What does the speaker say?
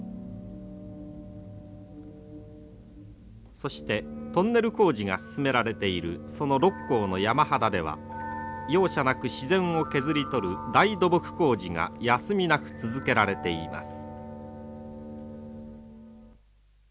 そしてトンネル工事が進められているその六甲の山肌では容赦なく自然を削り取る大土木工事が休みなく続けられています。